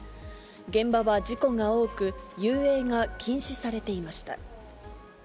現場は事故が多く、遊泳が禁止されていました。